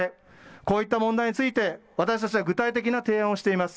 こういった問題について私たちは具体的な提案をしています。